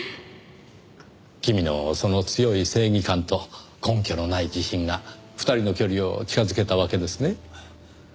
君のその強い正義感と根拠のない自信が２人の距離を近づけたわけですね。